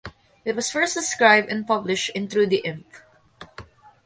It was first described and published in Trudy Imp.